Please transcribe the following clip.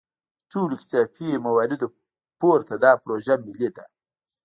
له ټولو اختلافي مواردو پورته دا پروژه ملي ده.